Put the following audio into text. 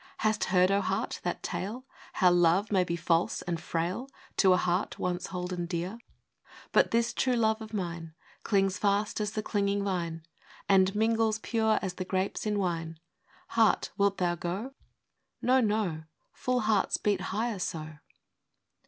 Hast heard, O Heart, that tale, How love may be false and frail To a heart once holden dear? —" But this true Love of mine Clings fast as the clinging vine, And mingles pure as the grapes in wine." Heart, wilt thou go ?—" No, no ! Full hearts beat higher so."